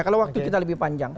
kalau waktu kita lebih panjang